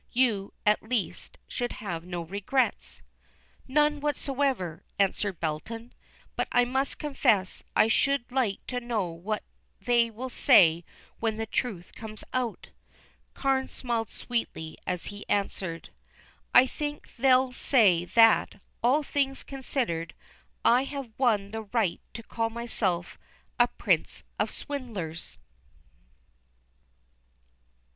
You, at least, should have no regrets." "None whatever," answered Belton. "But I must confess I should like to know what they will say when the truth comes out." Carne smiled sweetly as he answered: "I think they'll say that, all things considered, I have won the right to call myself 'A Prince of Swindlers.